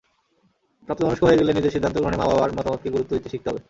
প্রাপ্তবয়স্ক হয়ে গেলে নিজের সিদ্ধান্তগ্রহণে মা-বাবার মতামতকে গুরুত্ব দিতে শিখতে হবে।